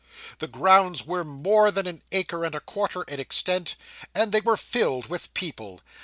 The grounds were more than an acre and a quarter in extent, and they were filled with people!